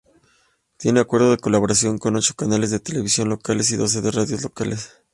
Tiene acuerdos de colaboración con ocho canales de televisión locales y doce radios locales.